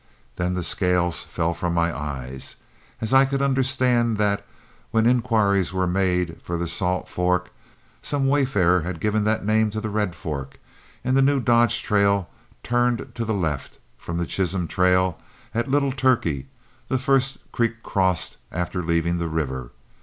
Then the scales fell from my eyes, as I could understand that when inquiries were made for the Salt Fork, some wayfarer had given that name to the Red Fork; and the new Dodge trail turned to the left, from the Chisholm, at Little Turkey, the first creek crossed after leaving the river.